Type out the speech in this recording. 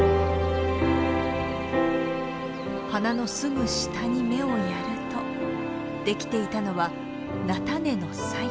花のすぐ下に目をやるとできていたのは菜種のさや。